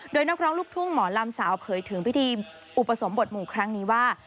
โดยนักร้องลูกทุ่งหมอลำสาวเผยถึงพิธีอุปสมบทหมู่ครั้งนี้ว่า